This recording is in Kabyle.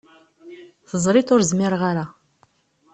Teẓriḍ ur zmireɣ ara.